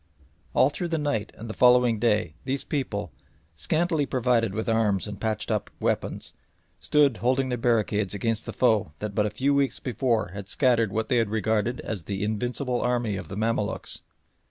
All through the night and the following day these people, scantily provided with arms and patched up weapons, stood holding their barricades against the foe that but a few weeks before had scattered what they had regarded as the invincible army of the Mamaluks.